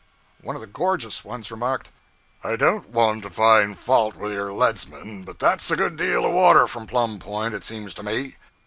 One of the gorgeous ones remarked 'I don't want to find fault with your leadsmen, but that's a good deal of water for Plum Point, it seems to me.'